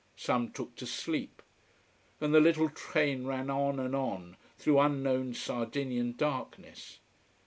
Some took to sleep. And the little train ran on and on, through unknown Sardinian darkness.